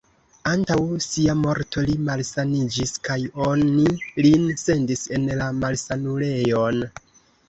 Antaŭ sia morto li malsaniĝis kaj oni lin sendis en la malsanulejon.